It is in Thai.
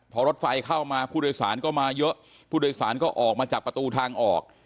พอรถไฟเข้ามาผู้โดยสารก็มาเยอะผู้โดยสารก็ออกมาจากประตูทางออก